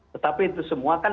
tetapi itu semua kan